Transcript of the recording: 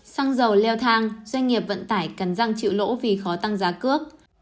xăng dầu leo thang doanh nghiệp vận tải cần răng chịu lỗ vì khó tăng giá cước